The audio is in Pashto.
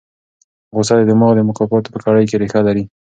غوسه د دماغ د مکافاتو په کړۍ کې ریښه لري.